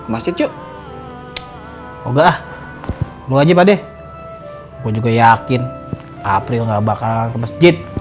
masih cukup oh nggak lu aja padeh gue juga yakin april nggak bakal ke masjid